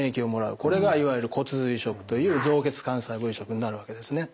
これがいわゆる骨髄移植という造血幹細胞移植になるわけですね。